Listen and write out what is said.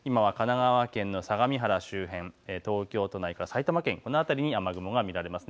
今は神奈川県の相模原周辺、東京都内と埼玉県、この辺りに雨雲が見られます。